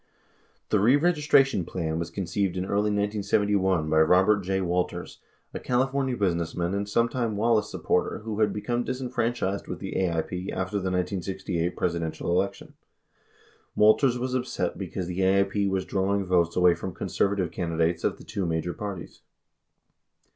The re registration plan was conceived in early 1971 by Robert J. Walters, a California businessman and sometime Wallace supporter who had become disenchanted with the AIP after the 1968 Presidential election. 70 Walters was upset because the AIP was drawing votes away from conservative candidates of the two major parties.